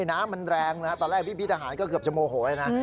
น้ำมันแรงนะตอนแรกพี่ทหารก็เกือบจะโมโหเลยนะ